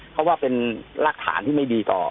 ก็เป็นรักฐานที่ไม่ดีต่อ